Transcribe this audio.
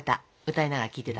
歌いながら聞いてた。